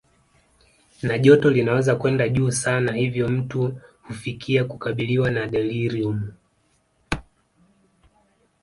Na joto linaweza kwenda juu sana hivyo mtu hufikia kukabiliwa na deliriumu